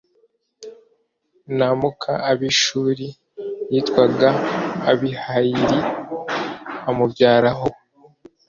na muka abishuri yitwaga abihayili amubyaraho